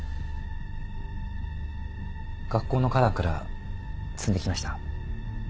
学校の花壇から摘んできました。